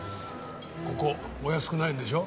ここお安くないんでしょ？